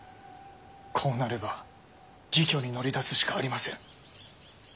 こうなれば義挙に乗り出すしかありません。